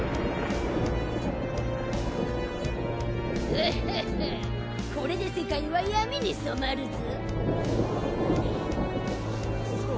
フッフッフこれで世界は闇に染まるぞ。